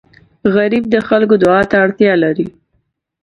غریب د خلکو دعا ته اړتیا لري